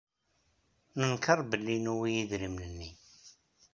Nenkeṛ belli nuwey idrimen-nni.